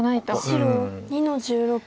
白２の十六。